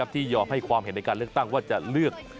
ที่ยอมให้ความเห็นในการเลือกตั้งว่าจะเลือก